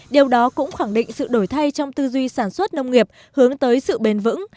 điều đó cũng khẳng định sự đổi thay trong tư duy sản xuất nông nghiệp hướng tới sự bền vững